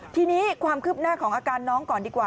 ทีนี้ความคืบหน้าของอาการน้องก่อนดีกว่า